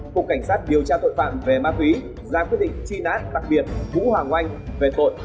cục cảnh sát điều tra tội phạm về ma túy ra quyết định truy nã đặc biệt vũ hoàng oanh về tội